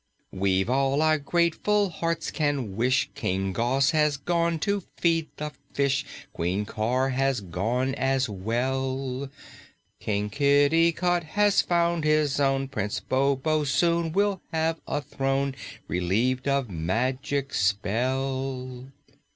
"We've all our grateful hearts can wish; King Gos has gone to feed the fish, Queen Cor has gone, as well; King Kitticut has found his own, Prince Bobo soon will have a throne Relieved of magic spell.